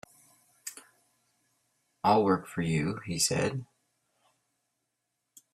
"I'll work for you," he said.